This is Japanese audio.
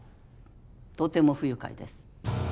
とても不愉快です。